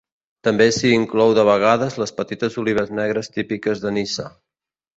També s'hi inclou de vegades les petites olives negres típiques de Niça.